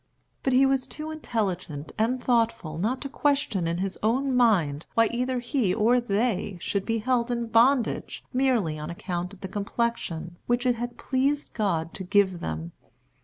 But he was too intelligent and thoughtful not to question in his own mind why either he or they should be held in bondage merely on account of the complexion which it had pleased God to give them.